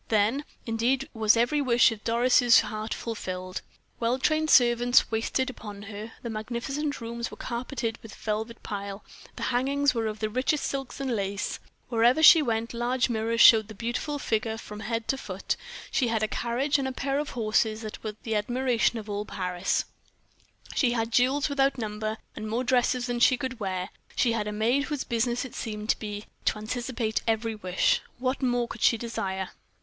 Then, indeed, was every wish of Doris' heart fulfilled. Well trained servants waited upon her; the magnificent rooms were carpeted with velvet pile, the hangings were of the richest silks and lace; wherever she went large mirrors showed the beautiful figure from head to foot; she had a carriage and a pair of horses that were the admiration of all Paris; she had jewels without number, and more dresses than she could wear; she had a maid whose business it seemed to be to anticipate every wish. What more could she desire?